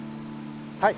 はい。